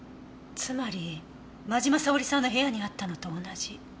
つまり真嶋沙織さんの部屋にあったのと同じ。